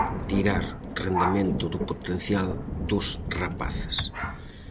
Tirar rendemento do potencial dos rapaces.